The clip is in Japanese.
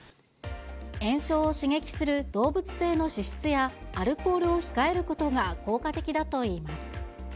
炎症を刺激する動物性の脂質やアルコールを控えることが効果的だといいます。